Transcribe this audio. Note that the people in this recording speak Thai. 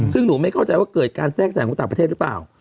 ซึ่งหนูไม่เข้าใจว่าเกิดการแทรกแสงของต่างประเทศหรือเปล่า